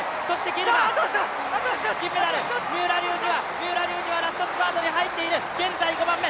三浦龍司はラストスパートに入っている。